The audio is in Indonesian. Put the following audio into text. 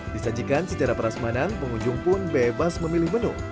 di sajikan secara perasmanan pengunjung pun bebas memilih menu